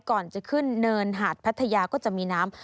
ก่อนจะขึ้นเนินหาดพัทยาก็จะมีน้ำ